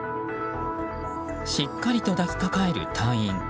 しっかりと抱きかかえる隊員。